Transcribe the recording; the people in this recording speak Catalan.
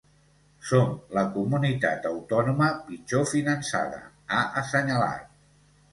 Som la comunitat autònoma pitjor finançada, ha assenyalat.